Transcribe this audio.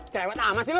cerewat lama sih lu